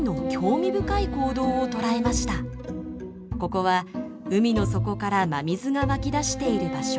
ここは海の底から真水が湧き出している場所。